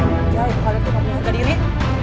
ya ibu kaget kamu gak punya kaget ini